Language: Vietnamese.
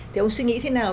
thì ông suy nghĩ thế nào